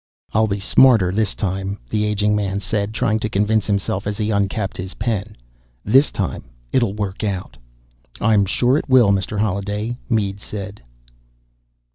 "I'll be smarter this time," the aging man said, trying to convince himself, as he uncapped his pen. "This time, it'll work out." "I'm sure it will, Mr. Holliday," Mead said.